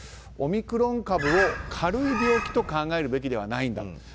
オミクロン株を軽い病気と考えるべきではないんだと。